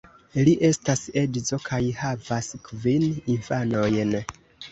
Li estas edzo kaj havas kvin infanojn.